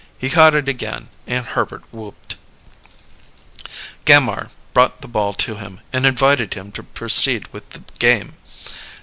He caught it again, and Herbert whooped. Gammire brought the ball to him and invited him to proceed with the game.